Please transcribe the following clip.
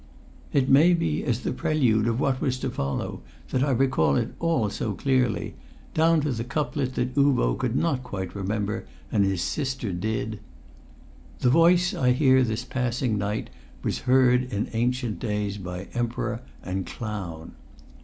It may be as the prelude of what was to follow that I recall it all so clearly, down to the couplet that Uvo could not quite remember and his sister did: "The voice I hear this passing night was heard In ancient days by emperor and clown."